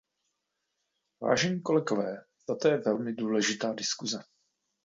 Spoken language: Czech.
Vážení kolegové, toto je velmi důležitá diskuse.